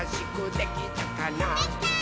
できたー！